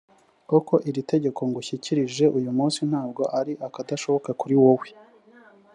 koko, iri tegeko ngushyikirije uyu munsi nta bwo ari akadashoboka kuri wowe,